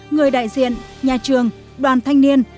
người đại diện nhà trường đoàn thanh niên